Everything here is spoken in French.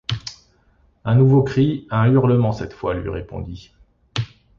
Un nouveau cri, un hurlement cette fois, lui répondit.